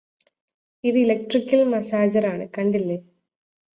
ഇത് ഇലക്ട്രിക്കൽ മസാജറാണ്കണ്ടില്ലേ